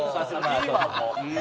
ピーマンもうん？